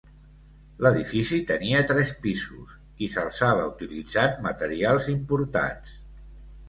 L'edifici tenia tres pisos, i s'alçava utilitzant materials importats.